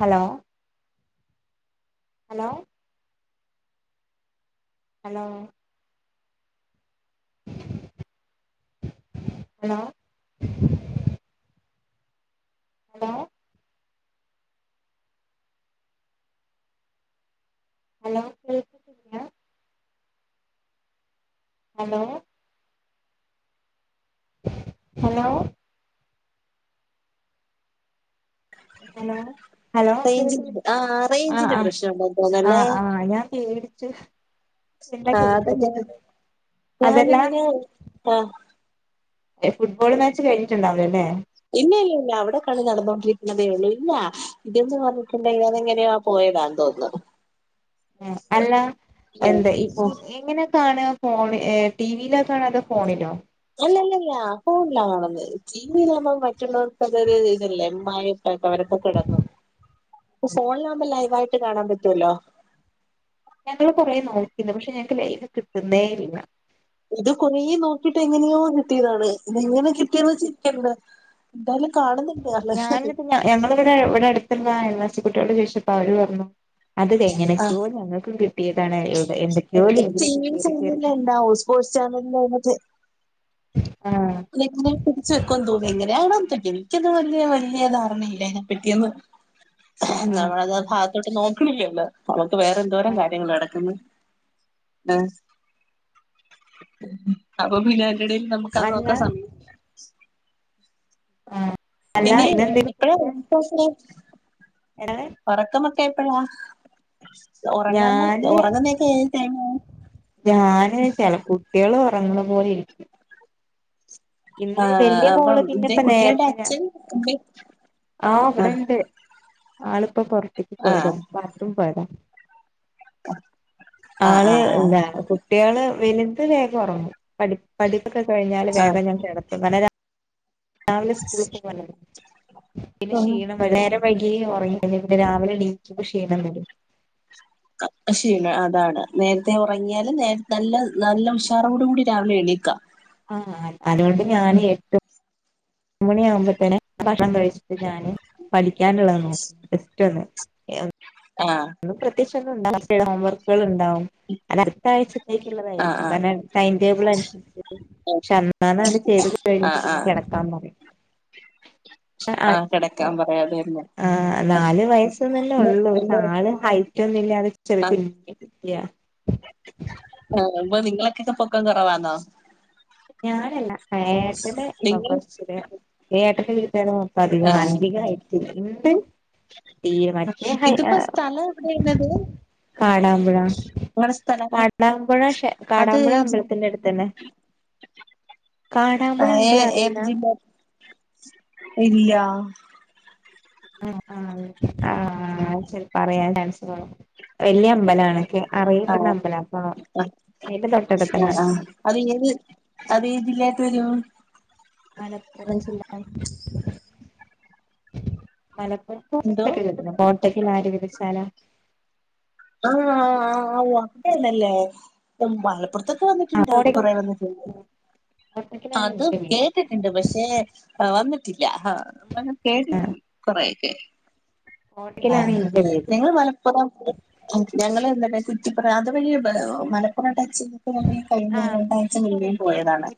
Hello hello hello hello hello hello കേൾക്കുന്നില്ലേ hello hello hello hello കേക്ക് റേഞ്ചിന്റെ ആ ആ റേഞ്ചിന്റെ ആ പ്രശ്നം ഉണ്ടെന്ന് ആ തോന്നല്ലേ ആ ഞാൻ പേടിച്ച് എന്താ ആ അത് കേൾക്കാതെ ഞാൻ ചോ അതല്ല ഞാനിങ്ങനെ ആ ഫുട്ബോൾ മാച്ച് കഴിഞ്ഞിട്ടുണ്ടാവിലല്ലേ ഇല്ല ഇല്ല ഇല്ല അവിടെ കളി നടന്നുകോണ്ടിരിക്കുന്നതേ ഒള്ളൂ ഇല്ല ഇതെന്ന് പറഞ്ഞിട്ടുണ്ടങ്കില് അതെങ്ങനെയാ പോയെ ന്റെതാ തോന്ന് ആ അല്ല എന്താ ആ. എങ്ങനെ കാണ ഫോണ്‌ ടീവിലോ കാണ അതോ ഫോണിലോ അല്ലല്ലല്ല ഫോണിലാ കാണന്നെ ടീവിയിലാമ്പോ മറ്റുള്ളവർക്കതൊരു ഇതല്ലേ മഴ അവരൊക്കെ കെടന്നു ഫോണിലാവുമ്പോ ലൈവ് ആയിട്ട് കാണാൻ പറ്റുവല്ലോ ഞങ്ങള് കൊറെ നോക്കിയത പക്ഷെ ഞങ്ങക്ക് ലൈവ് കിട്ടുന്നേയില്ല ഇത് കൊറേ നോക്കിട്ട് എങ്ങനെയോ കിട്ടിയതാണ് ഇത് എങ്ങനെ കിട്ടിയെന്ന് ചിരിക്കണ്ട ന്താലും ഞാനിന്ന് പിന്നെ ഞങ്ങള് പിന്നെ ഇവിടെ അടുത്ത് ഇള്ള അയൽലാസി കുട്ടികളോട് ചോയ്ച്ചപ്പോ അവര് പറഞ്ഞു അത് കഴിഞ്ഞനെ ആ എന്തൊക്ക്യോ ഞങ്ങൾക്കും കിട്ടിയതാണ് ഇവിടെ എന്തൊക്യോ ടി ലിങ്കിലൊക്കെ വി കേറികേറി ചാനലിൽ ഉണ്ടാവും സ്പോർട്സ് ചാനൽ ണ്ടായിന്നത് ആഹ് [unintelligible] തിരിച്ചു വെക്കൊ തോന്നി എങ്ങനെയാണോ എന്തോക്കിയത് എനിക്കത് വല്യ വല്യ ധാരണയില്ല അയിനെ പറ്റിയൊന്നും ആഹ് നമ്മളത് ഭാഗത്തോട്ട് നോക്കണില്ലേല്ലോ നമുക്ക് വേറെ എന്തോരം ആഹ് കാര്യങ്ങൾ കെടക്കുന്നു ആ അപ്പൊ പിന്നെ അതിൻ്റെ ഇടയിൽ നമുക്കത് നോ അല്ല ക്കാൻ സമയം ആഹ് അല്ല പിന്നെ ഇന്നെന്താരുന്നു ഫുഡ് എന്താണ് ഒറക്കമൊക്കെ എപ്പഴാ ഉറങ്ങല്ല ഞാന് ഉറങ്ങുന്ന ഒക്കെ ഏത് ടൈമാകും ഉറങ്ങണ പോലെ ഇരിക്കും ഇന്ന് വലിയ ആഹ് മോള് അപ്പം എന്റെ പിന്നെപ്പെ കുട്ടികളുടെ നേരത്തെ ഞാ അച്ഛൻ ആഹ് ഇവിടെണ്ട് ആളിപ്പോ പൊറത്തേക്ക് ആഹ് പോയത ബാത്ത്റൂം പോയതാ ആഹ് ആള് ആഹ് ആഹ് എന്താ കുട്ടികള് വലുത് വേഗം ഉറങ്ങും പഠി പഠിപ്പൊക്കെ കഴിഞ്ഞാല് വേഗം ഞാൻ കിടത്തും അങ്ങനെ രാവിലെ സ്കൂളിൽ പോവാലോ പിന്നെ ആഹ് ക്ഷീണം വരും നേരം വഴുകി ഉറങ്ങി പിന്നെ രാവിലെ എണീക്കുമ്പോ ക്ഷീണം വരും ക്ഷീണം അതാണ് നേരത്തെ ഉറങ്ങിയാല് നേരത്തെ നല്ല നല്ല ഉഷാറോട് കൂടി രാവിലെ എണീക്കാം ണിക്ക ആ അതുകൊണ്ട് ഞാൻ എട്ട് മണി ആകുമ്പോത്തേന് ആഹ് ഭക്ഷണം കഴിച്ചിട്ട് ഞാന് പഠിക്കാനുള്ളത് നോക്കും ജസ്റ്റ് ഒന്ന് ആഹ് ഉം പ്രത്യേകിച്ച് ഒന്നും ഉണ്ടാവില്ല ഹോം വർക്കുകൾ ഉണ്ടാവും അ അടുത്ത ആഴ്ച ആഹ് ക്കുള്ളതായിരിക്കും ആഹ് കാരണം ടൈം ടേബിൾ അനുസരിച്ച് പക്ഷെ അന്നാണ് അത് ചെയ്ത് കഴിഞ്ഞിട്ട് ആഹ് പിന്നെ ആഹ് കിടക്കാന്ന് പറയും പക്ഷേ ആഹ് കിടക്കാൻ പറയാതെരുന്നു ആഹ് നാല് വയസ്സ് തന്നെ ഉള്ളൂ ആള് ഹൈറ്റൊന്നില്ലാതെ ഒരു ചെറിയ കുഞ്ഞ് കുട്ടിയ ക്ക പൊക്കം കുറവാന്നോ ഞാനല്ല ആ ഏട്ടന് നിങ്ങൾ കൊറച്ച് ഒരു ഏട്ടന്റെ വീട്ട്കാരൊക്കെ അധികം ആഹ് അധിക അയിററില്ല തീരെ മറ്റേ ഹൈറ്റ് ഇതിപ്പോ ആഹ് സ്ഥലം എവിടെയാണത് കാടാമ്പുഴ നിങ്ങടെ സ്ഥലം കാടാമ്പുഴ ക്ഷേ അത് കാടാമ്പുഴ അമ്പലത്തിന്റെ അടുത്തന്നെ [inaudible] കാടാമ്പുഴ ആഹ് ഏ അമ്പലം അറിയില്ല ഏത് ജില്ലയാ ഇല്ലാ ആഹ് ആഹ് ആഹ് ചെലപ്പോൾ അറിയാണ്ട് ആയപ്പോൾ വലിയ അമ്പലണൊക്കെ ആഹ് അറിയപ്പെടുന്ന അമ്പല അപ്പൊ അതിന്റെ തൊട്ടടുത്തന്നെ ആഹ് ആഹ് അത് ഏത് അത് ഏത് ജില്ലായിട്ട് വരും മലപ്പുറം ജില്ല മലപ്പു കോട്ടയ്ക്കൽ എന്തോ ഒക്കെ കേട്ടിനോ കോട്ടക്കൽ ആര്യവൈദ്യശാല ആഹ് ആഹ് ആഹ് അവിടെയാണല്ലേ ത് മലപ്പുറം അപ്പറത്തൊക്കെ ആഹ് വന്നിട്ടുണ്ട് കോട്ടക്കൽ കുറെ വന്നിട്ടുണ്ട് കോട്ടക്കലാണ് അത് ഇന്റെ വീട് കേട്ടിട്ടുണ്ട് പക്ഷേ വന്നിട്ട് ട്ടില്ല നമ്മൾ ആഹ് കേട്ടിട്ടുണ്ട് കൊറെയൊക്കെ ആഹ് കോട്ടക്കലാണ് ഇന്റെ വീട് നിങ്ങൾ മലപ്പുറം ഞങ്ങള് എന്താണ് കുറ്റിപ്പുറം അത് വഴിയാ മലപ്പുറം ടച്ച് കഴിഞ്ഞ ആഹ് രണ്ടാഴ്ച പിന്നേയും കുറ്റിപ്പുറല്ലേ പോയതാണ്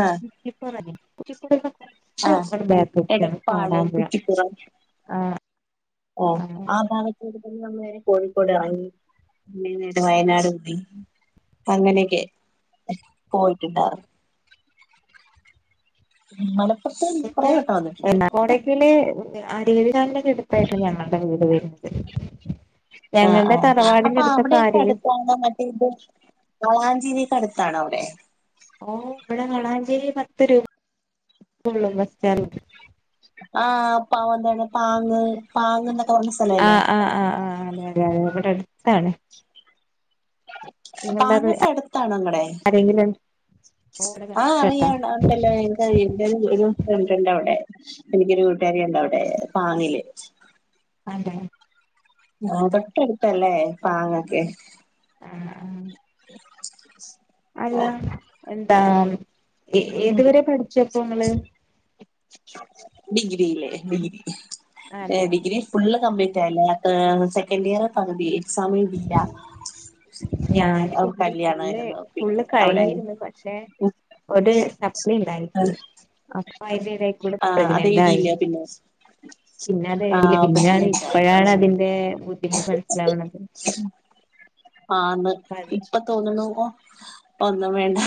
ആഹ് കുറ്റിപ്പുറം അല്ലേ കുറ്റിപ്പുറത്ത് നിന്ന് ആഹ് കൊറച്ച് ബേക്കോട്ട് ആണ് എടപ്പാള് കാടാൻമ്പുഴ ആഹ് ഓ ആഹ് ആ ഭാഗത്ത് മ്മ നേരെ കോഴിക്കോട് ഇറങ്ങി പിന്നെ നേരെ വയനാട് എത്തി അങ്ങനെയൊക്കെ പോയിട്ടുണ്ട ഇങ്ങള് പിന്നെ എന്താ കോട്ടക്കല് ആര്യവൈദ്യശാലയുടെ എടുത്തായിട്ട് ഞങ്ങളുടെ വീട് വരുന്നത് [unintelligible] ആഹ് ഞങ്ങളുടെ ആഹ് തറവാടിന്റെ അപ്പൊ അടുത്തൊക്കെ അവിടൊക്കെ ആരുവി അടുത്താണ് മറ്റേത് വളാഞ്ചേരി അടുത്താണോ അവിടെ ഓ ഇവിടെ വളാഞ്ചേരി പത്ത് രൂപള്ളു ബസ് സ്റ്റാൻഡ ആഹ് അപ്പാവന്താണ് പാങ് പാങ്ങ് പറഞ്ഞ സ്ഥലല്ലേ ആഹ് ആഹ് ആഹ ആ് അതെതെ അതെ ഇവിടെ അടുത്താണ് നിങ്ങളുടെ പാങ്ങ് ക്ക അടുത്താണ ഇങ്ങടെ ആരെങ്കിലും ഇവിടെ ആഹ് അറിയ തൊട്ടടുത്താ ഉണ്ടല്ലോ എ ഒരു ഫ്രണ്ട്ണ്ട് അവിടെ എനിക്കൊരു കൂട്ടുകാരി ഉണ്ട അവിടെ പാങ്ങില് അതെ ആ തൊട്ടടുത്തല്ലേ പാങ്ങൊക്കെ ആഹ ആഹ [unintelligible] ആ ഏതുവരെ പഠിച്ചപ്പൊ നിങ്ങള് ഡിഗ്രില്ലേ ഡിഗ്രി അതെ ഡിഗ്രി ഫുള്ള് കംപ്ലീറ്റ് അല്ല സെക്കൻഡ് ഇയർ പകുതി എക്സാാം എയ്തില്ല ഞാന ഫുള്ള് പിന്നെ ഫുള്ള് അവിടെ കഴിഞ്ഞിന്ന് പക്ഷെ ഒരു സപ്തി ഉണ്ടായി അപ്പൊ അതിന്േതക്കൂടെ ആഹ് അത് പ്രഗ്നന്റ് ആയി എഴുതിയില്ല പിന്നെ പിന്നെ എയ്തില്ല ആഹ് പിന്നാണ് പ്രഗ്നന്റ് ആയി ഇപ്പഴാണ് അതിന്റെ ബുദ്ധിമുട്ട് മനസ്സിലാവ്ന്ണത് ആന്ന് ഇപ്പ തോന്നണുവോ ഒന്നും വേണ്ട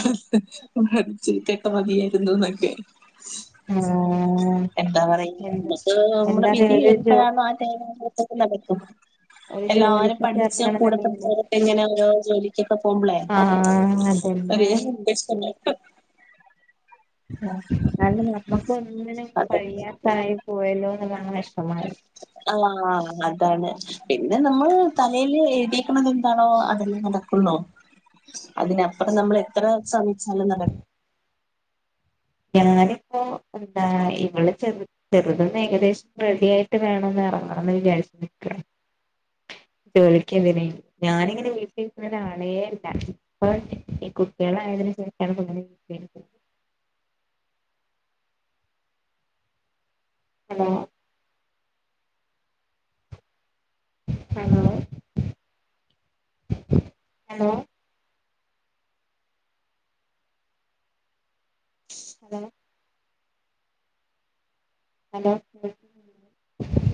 ചിട്ടൊക്കെ മതിയായിരുന്നു എന്നൊക്കെ ആഹ എന്താ പറ നമുക്ക് നമ്മുടെ എന്താറിയ വിധി ഒരു ജോ എപ്പോഴാണ് ആ ക്ക നടക്കും ഒരു എല്ലാരും ജോലിക്ക് പഠിച്ച കൂടെ പഠിച്ച ചേർന്നണെന്നുണ്ടെങ്കില് എങ്ങനെ ഓരോ ജോലിക്കൊക്കെ പോകുമ്പളെ ആഹ് ഒ അതന്നാണ് അ നമ്മുക്ക ഒന്നിനും അതെ പഴിയാത്തായി പോയല്ലോ ങ്ങ ഇഷ്ടമായി ആഹ് അതാണ് പിന്നെ നമ്മൾ തലൽ എഴുതിയക്കണത് എന്താണോ അതെല്ലാം നടക്കുന്നോ അതിനപ്പുറം നമ്മൾ എത്ര ശ്രമിച്ചാലും നടക്ക ഞാനിപ്പോ എന്താ ഇൾ ചെ ചെറുതന്ന് ഏകദേശം റെഡി ആായിട്ട് വേണംന്ന് ഇറങ്ങണം എന്ന് വിചാരിച്ച വിളിക്കതിന ഞാനിങ്ങനെ വീട്ടിക്കുന്ന ഒരാളെല്ല ഇപ്പ ഈ കുട്ടികളെ തിനു ശാണ് [unintelligible] hello hello hello hello hello